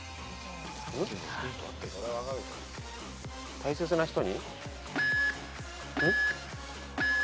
大切な人に？